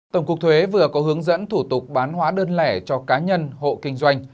tổng cục thuế vừa có hướng dẫn thủ tục bán hóa đơn lẻ cho cá nhân hộ kinh doanh